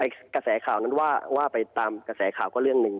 กระแสข่าวนั้นว่าไปตามกระแสข่าวก็เรื่องหนึ่ง